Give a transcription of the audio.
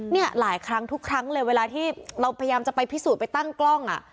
เนี่ยหลายครั้งทุกครั้งเลยเวลาที่เราพยายามจะไปพิสูจน์ไปตั้งกล้องอ่ะ